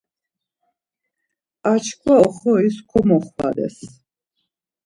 Ar çkva oxoris komoxvades.